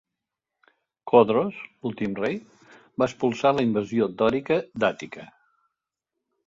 Codros, l'últim rei, va expulsar la invasió dòrica d'Àtica.